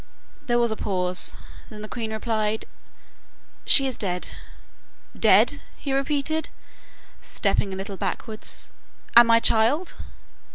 There was a pause. Then the queen replied: 'She is dead.' 'Dead!' he repeated, stepping a little backwards. 'And my child?